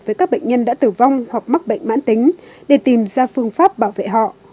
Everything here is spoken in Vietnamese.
với các bệnh nhân đã tử vong hoặc mắc bệnh mãn tính để tìm ra phương pháp bảo vệ họ